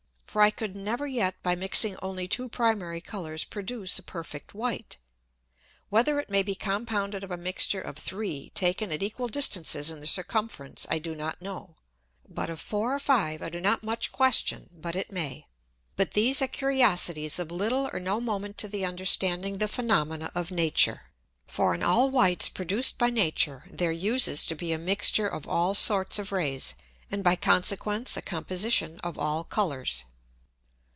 For I could never yet by mixing only two primary Colours produce a perfect white. Whether it may be compounded of a mixture of three taken at equal distances in the circumference I do not know, but of four or five I do not much question but it may. But these are Curiosities of little or no moment to the understanding the Phænomena of Nature. For in all whites produced by Nature, there uses to be a mixture of all sorts of Rays, and by consequence a composition of all Colours.